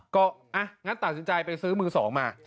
ก็งั้นตัดสินใจไปซื้อมือสองมา